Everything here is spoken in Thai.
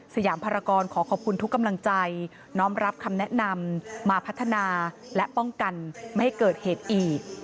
สยามภารกรขอขอบคุณทุกกำลังใจน้อมรับคำแนะนำมาพัฒนาและป้องกันไม่ให้เกิดเหตุอีก